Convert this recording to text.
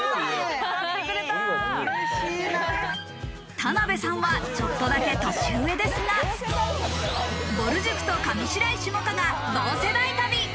田辺さんはちょっとだけ年上ですが、ぼる塾と上白石萌歌が同世代旅！